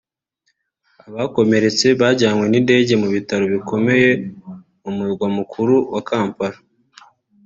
abakomeretse bajyanwe n’indege mu bitaro bikomeye mu murwa mukuru wa Kampala